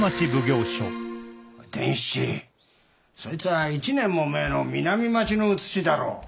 伝七そいつぁ１年も前の南町の写しだろう？